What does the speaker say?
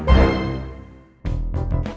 terima kasih bang